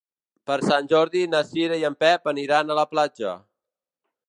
Per Sant Jordi na Cira i en Pep aniran a la platja.